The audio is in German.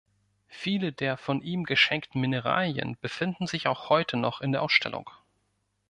Viele der von ihm geschenkten Mineralien befinden sich auch heute noch in der Ausstellung.